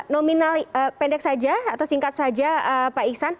nominal pendek saja atau singkat saja pak iksan